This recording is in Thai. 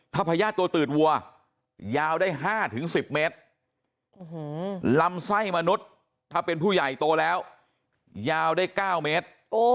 ถ้าพญาติตัวตืดวัวยาวได้๕๑๐เมตรลำไส้มนุษย์ถ้าเป็นผู้ใหญ่โตแล้วยาวได้๙เมตร